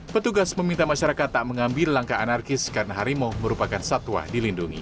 petugas meminta masyarakat tak mengambil langkah anarkis karena harimau merupakan satwa dilindungi